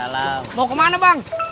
mau kemana bang